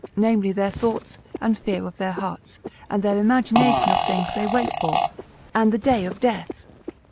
Namely, their thoughts, and fear of their hearts, and their imagination of things they wait for, and the day of death.